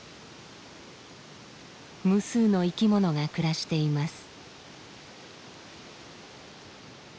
無数の生き物が暮らしています。